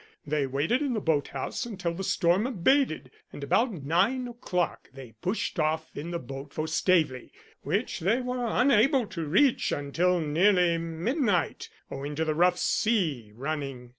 They waited in the boat house until the storm abated, and about nine o'clock they pushed off in the boat for Staveley, which they were unable to reach until nearly midnight, owing to the rough sea running.